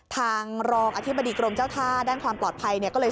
ทางรองอธิบดีกรมเจ้าท่าด้านความปลอดภัยเนี่ยก็เลย